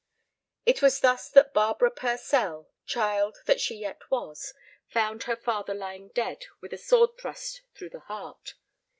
It was thus that Barbara Purcell, child that she yet was, found her father lying dead with a sword thrust through the heart.